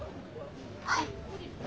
はい。